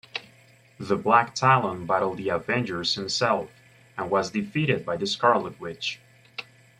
The Black Talon battled the Avengers himself, and was defeated by the Scarlet Witch.